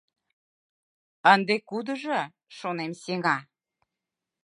Ынде кудыжо, шонем, сеҥа.